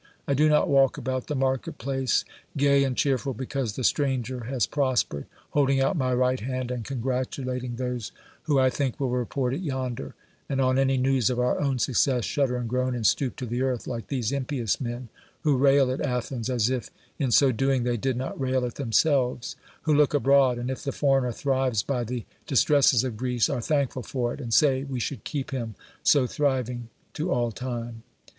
I do not walk about the market place gay aiid cheerful because the stranger has prospered, holding out my right hand and congratulating DEMOSTHENES those who I think will report it yonder, and on any news of our own success shudder and groan and stoop to the earth, like these impious men, who rail at xVthens, as if in so doing they did not rail at themselves; who look abroad, and if the foreigner thrives by the distresses of Greece, are thankful for it, and say we should keep him so thriving to all tune.